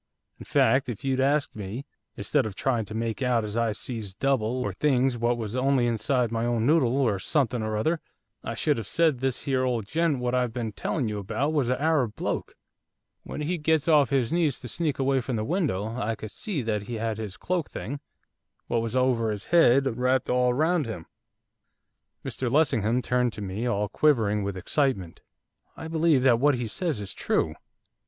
In fact if you'd asked me, instead of trying to make out as I sees double, or things what was only inside my own noddle, or something or other, I should have said this here old gent what I've been telling you about was a Arab bloke, when he gets off his knees to sneak away from the window, I could see that he had his cloak thing, what was over his head, wrapped all round him.' Mr Lessingham turned to me, all quivering with excitement. 'I believe that what he says is true!